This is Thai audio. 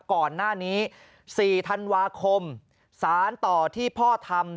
ก่อนหน้านี้๔ธันวาคมสารต่อที่พ่อทำ